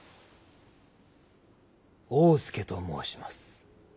大典侍と申します。